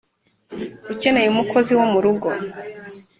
ukeneye umukozi wo murugo